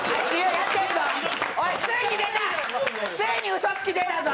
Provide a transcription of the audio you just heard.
ついに嘘つき出たぞ！